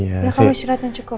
ya kamu istirahatnya cukup